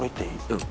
うん。